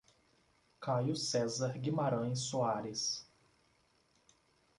Caio Cezar Guimaraes Soares